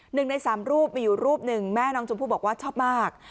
หนึ่งในสามรูปมีอยู่รูปหนึ่งแม่น้องชมพู่บอกว่าชอบมาก